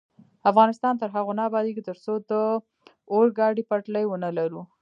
افغانستان تر هغو نه ابادیږي، ترڅو د اورګاډي پټلۍ ونلرو.